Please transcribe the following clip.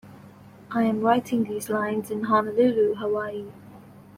I am writing these lines in Honolulu, Hawaii.